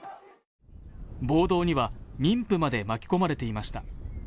暴動には、妊婦まで巻き込まれていました。